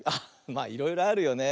まあいろいろあるよね。